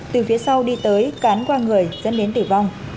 từ phía sau đi tới cán qua người dẫn đến tử vong